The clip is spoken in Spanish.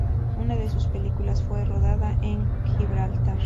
Una de sus películas fue rodada en Gibraltar.